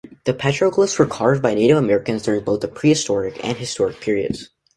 The petroglyphs were carved by Native Americans during both the prehistoric and historic periods.